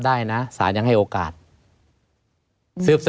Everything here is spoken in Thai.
ไม่มีครับไม่มีครับ